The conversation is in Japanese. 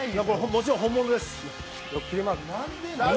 もちろん本物です。